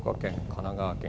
神奈川県